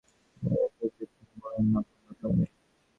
আমি তাই খুব দৃঢ়স্বরেই বললুম, না, আমার সময় নেই।